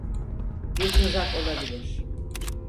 Bir tuzak olabilir.